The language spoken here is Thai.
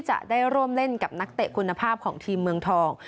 จะได้ร่วมเล่นกับนักเตะคุณภาพของทีมเมืองทอง